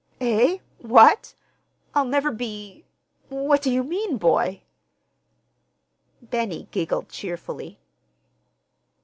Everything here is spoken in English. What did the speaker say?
"Eh? What? I'll never be—What do you mean, boy?" Benny giggled cheerfully.